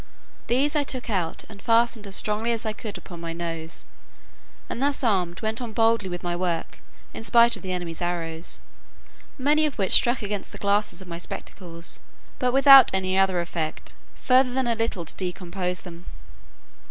These I took out and fastened as strongly as I could upon my nose, and thus armed, went on boldly with my work, in spite of the enemy's arrows, many of which struck against the glasses of my spectacles, but without any other effect, further than a little to discompose them.